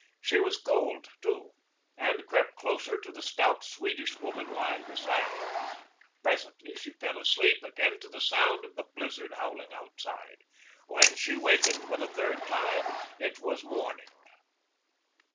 She was cold, too, and crept closer to the stout Swedish woman lying beside her. Presently she fell asleep again to the sound of the blizzard howling outside. When she wakened for the third time it was morning.